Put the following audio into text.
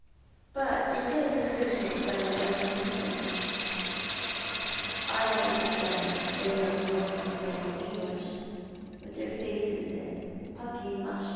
" But it is an original stylo of uplinc^ss, and I like it bettor than your milky skinned Englisli, with their faces in pa]»ier mache."